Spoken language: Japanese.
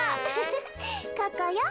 ここよ。